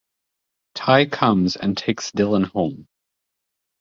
Ty comes and takes Dillon home.